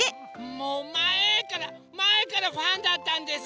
もうまえからまえからファンだったんです！